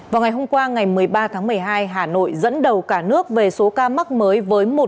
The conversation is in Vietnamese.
vào ngày hôm qua ngày một mươi ba tháng một mươi hai hà nội dẫn đầu cả nước về số ca mắc covid một mươi chín